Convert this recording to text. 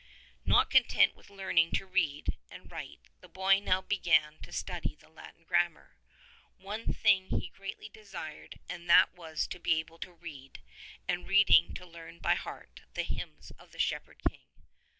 Not content with learning to read and write the boy now began to study the Latin grammar. One thing he greatly desired and that was to be able to read, and reading to learn by heart, the hymns of the Shepherd King.